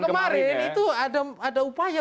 kemarin itu ada upaya